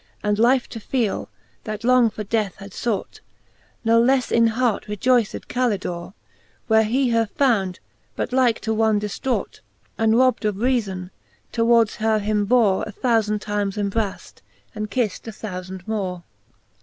And life to feele, that long for death had fought : Ne lefle in hart rejoyced Calidore, When he her found, but like to one diflraught,. And robd of reafon, towards her him bore, A thoufand times embraft, and kift a thoufand more.